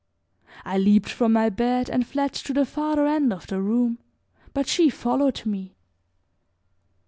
I leaped from my bed and fled to the farther end of the room; but she followed me.